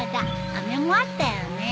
あめもあったよね？